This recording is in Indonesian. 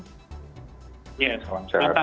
iya salam sehat